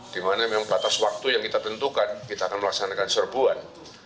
di mana memang batas waktu yang kita tentukan kita akan melaksanakan serguan